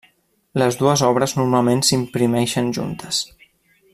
Les dues obres normalment s'imprimeixen juntes.